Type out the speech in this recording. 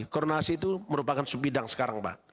koordinasi itu merupakan bidang sekarang